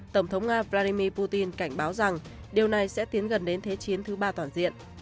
tổng thống nga vladimir putin cảnh báo rằng điều này sẽ tiến gần đến thế chiến thứ ba toàn diện